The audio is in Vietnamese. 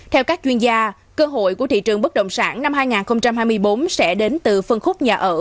theo các chuyên gia cơ hội của thị trường bất động sản năm hai nghìn hai mươi bốn sẽ đến từ phân khúc nhà ở